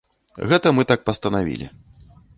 Гэта мы так пастанавілі.